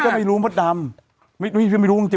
ก็ไม่รู้เหมือนกันนะ